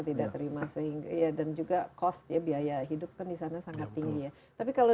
tidak terima dan juga cost biaya hidup ke di sana sangat tinggi tapi kalau